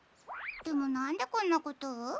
でもなんでこんなことを？